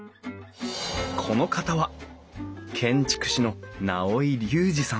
この方は建築士の直井隆次さん